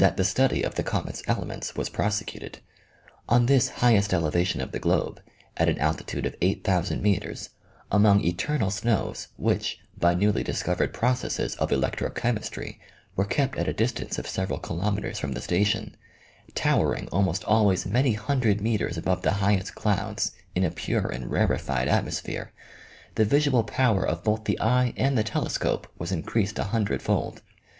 the study of the comet's elements was prosecuted. On this highest elevation of the globe, at an altitude of 8000 meters, among eternal snows which, by newly discovered processes of electro chemistry, were kept at a distance of several kilometers from the station, towering almost always many hundred meters above the highest clouds, in a pure and rarified atmosphere, the visual power of both the eye and the telescope was increased a hundred fold.